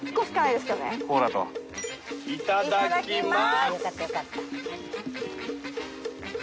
いただきます。